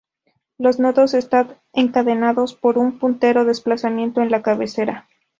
Los nodos están encadenados por un puntero desplazamiento en la cabecera.